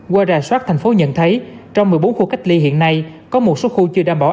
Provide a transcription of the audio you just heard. qua rà soát thành phố nhận thấy trong một mươi bốn khu cách ly hiện nay có một số khu chưa đảm bảo